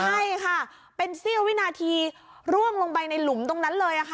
ใช่ค่ะเป็นเสี้ยววินาทีร่วงลงไปในหลุมตรงนั้นเลยค่ะ